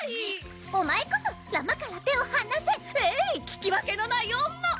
お前こそ乱馬から手を離せええい聞き分けのない女！